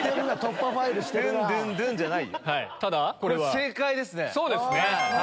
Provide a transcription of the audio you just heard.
正解ですね。